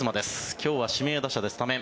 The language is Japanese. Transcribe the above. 今日は指名打者でスタメン。